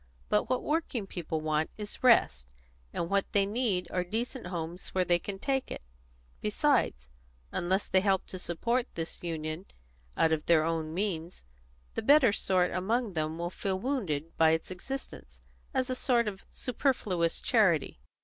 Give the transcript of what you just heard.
But what working people want is rest, and what they need are decent homes where they can take it. Besides, unless they help to support this union out of their own means, the better sort among them will feel wounded by its existence, as a sort of superfluous charity."